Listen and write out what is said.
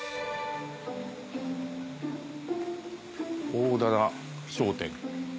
「大棚商店」。